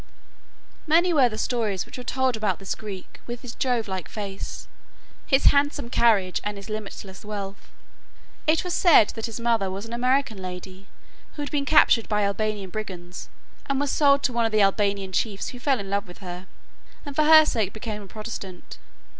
Many were the stories which were told about this Greek with his Jove like face, his handsome carriage and his limitless wealth. It was said that his mother was an American lady who had been captured by Albanian brigands and was sold to one of the Albanian chiefs who fell in love with her, and for her sake became a Protestant.